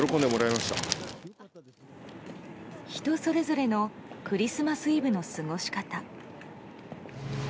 人それぞれのクリスマスイブの過ごし方。